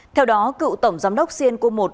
theo đó cựu tổng giám đốc hà nội